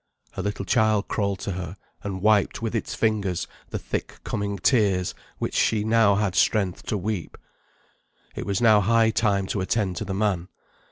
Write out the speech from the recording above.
Her little child crawled to her, and wiped with its fingers the thick coming tears which she now had strength to weep. It was now high time to attend to the man.